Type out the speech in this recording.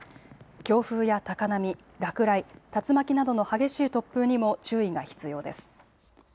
強風や高波、落雷、竜巻などの激しい突風にも注意が必要です。